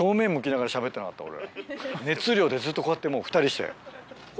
熱量でずっとこうやってもう２人して。